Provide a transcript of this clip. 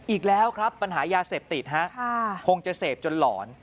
อีกแล้วครับปัญหายาเสพติดคงจะเสพจนหลอน